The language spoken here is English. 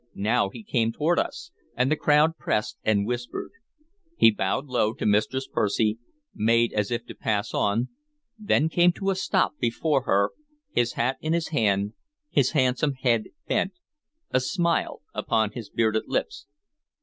Now he came toward us, and the crowd pressed and whispered. He bowed low to Mistress Percy, made as if to pass on, then came to a stop before her, his hat in his hand, his handsome head bent, a smile upon his bearded lips.